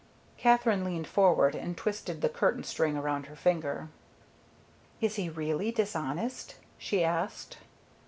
Katherine leaned forward and twisted the curtain string around her finger. "Is he really dishonest?" she asked.